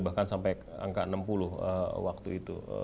bahkan sampai angka enam puluh waktu itu